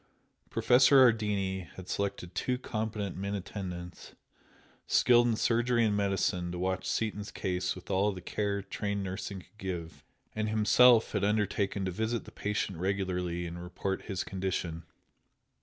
Professor Ardini had selected two competent men attendants, skilled in surgery and medicine to watch Seaton's case with all the care trained nursing could give, and himself had undertaken to visit the patient regularly and report his condition.